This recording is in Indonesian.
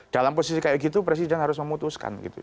dalam posisi seperti itu presiden harus memutuskan